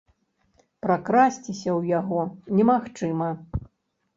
Пракрасціся ў яго немагчыма.